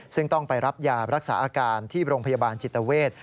ซึ่งต้องไปรับยารักษาอาการที่โรงพยาบาลจิตเวท